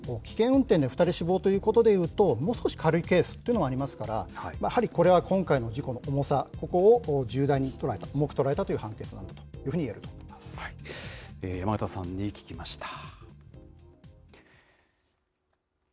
罪の重さについても、危険運転で２人死亡ということで言うと、もう少し軽いケースというのはありますから、やはり今回の事故の重さ、ここを重大に捉えた、重く捉えたという判決だというふうにい山形さんに聞きました。